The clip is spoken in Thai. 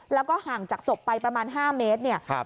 แล้วก็ห่างจากศพไปประมาณ๕เมตรเนี่ย